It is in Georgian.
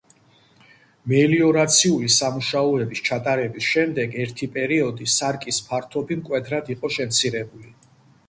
მელიორაციული სამუშაოების ჩატარების შემდეგ, ერთი პერიოდი სარკის ფართობი მკვეთრად იყო შემცირებული.